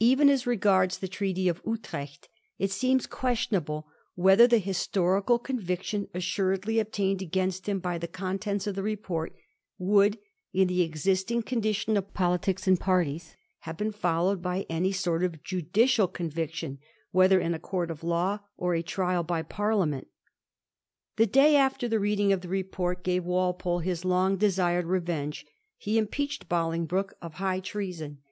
Even as regards the Treaty of Utrecht, it seems questionable whether the histori cal conviction assuredly obtained against him by the contents of the report would, in the existing condition of politics and parties, have been followed by any sort of judicial conviction, whether in a court of law or a trial by Parliament. The day after the reading of the report gave Walpole his long desired revenge : he impeached Bolingbroke of high treason.